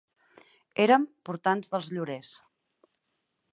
Erem portants dels llorers.